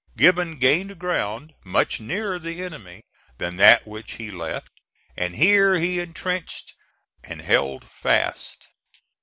Gibbon gained ground much nearer the enemy than that which he left, and here he intrenched and held fast.